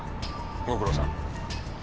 ご苦労さん。